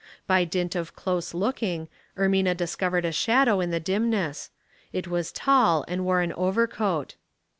By dint of close looking, Er mina discovered a shadow in the dimness ; it was tall and wore an overcoat.